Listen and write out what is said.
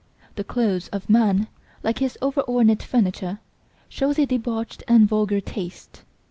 The clothes of man, like his over ornate furniture, show a debauched and vulgar taste.